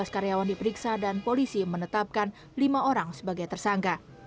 tujuh belas karyawan diperiksa dan polisi menetapkan lima orang sebagai tersangka